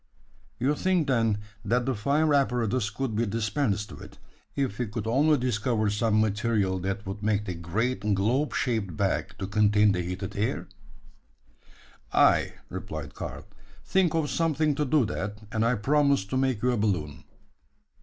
"You think, then, that the fire apparatus could be dispensed with, if we could only discover some material that would make the great globe shaped bag to contain the heated air?" "Ay," replied Karl; "think of something to do that, and I promise to make you a balloon."